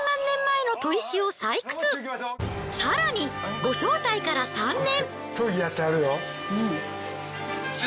更にご招待から３年。